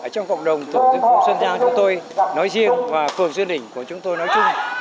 trong cộng đồng tổ dân phố xuân nhang chúng tôi nói riêng và phường xuân đình của chúng tôi nói chung